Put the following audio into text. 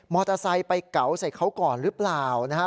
มอเตอร์ไซต์ไปเก๋าใส่เขาก่อนหรือเปล่านะฮะ